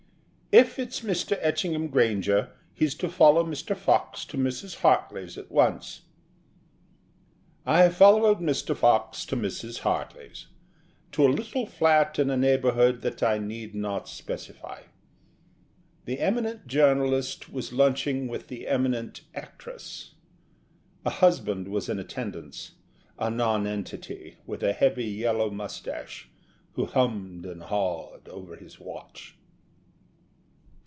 "If it's Mr. Etchingham Granger, he's to follow Mr. Fox to Mrs. Hartly's at once." I followed Mr. Fox to Mrs. Hartly's to a little flat in a neighbourhood that I need not specify. The eminent journalist was lunching with the eminent actress. A husband was in attendance a nonentity with a heavy yellow moustache, who hummed and hawed over his watch.